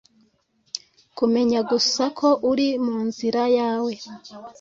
kumenya gusa ko uri munzira yawe